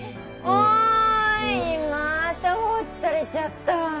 おいまた放置されちゃった。